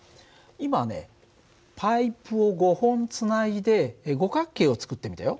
今ねパイプを５本つないで五角形を作ってみたよ。